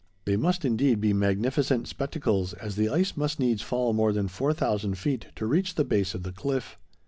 They must indeed be magnificent spectacles, as the ice must needs fall more than 4000 feet to reach the base of the cliff.